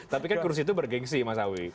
tapi kan kursi itu bergensi mas awi